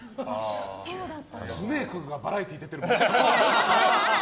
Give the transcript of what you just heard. スネークがバラエティー出てる。